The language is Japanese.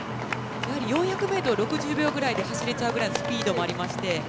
４００ｍを６０秒ぐらいで走れちゃうぐらいのスピードもあって。